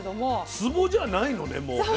つぼじゃないのねもう。